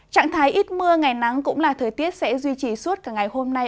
trạng thái ít mưa ngày nắng cũng là thời tiết sẽ duy trì suốt cả ngày hôm nay